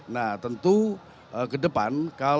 nah tentu ke depan